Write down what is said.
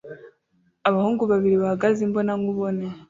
Abahungu babiri bahagaze imbonankubone